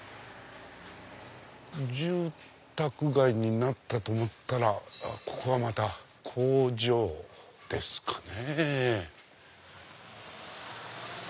住宅街になったと思ったらここはまた工場ですかね。